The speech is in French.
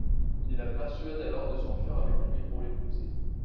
Il la persuade alors de s'enfuir avec lui pour l'épouser.